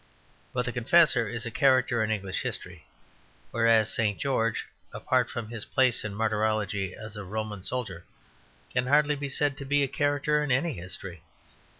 But the Confessor is a character in English history; whereas St. George, apart from his place in martyrology as a Roman soldier, can hardly be said to be a character in any history.